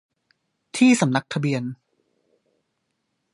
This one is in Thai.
ที่สำนักทะเบียน